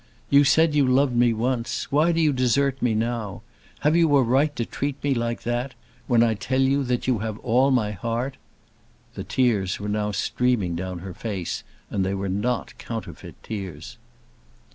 "You said you loved me once. Why do you desert me now? Have you a right to treat me like that; when I tell you that you have all my heart?" The tears were now streaming down her face, and they were not counterfeit tears.